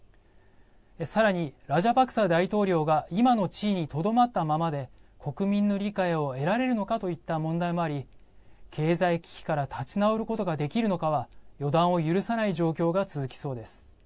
さらに、ラジャパクサ大統領が今の地位にとどまったままで国民の理解を得られるのかといった問題もあり経済危機から立ち直ることができるのかは予断を許さない状況が続きそうです。